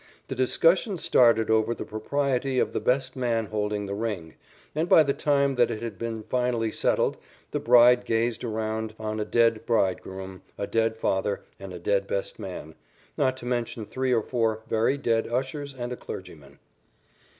The discussion started over the propriety of the best man holding the ring, and by the time that it had been finally settled the bride gazed around on a dead bridegroom, a dead father, and a dead best man, not to mention three or four very dead ushers and a clergyman.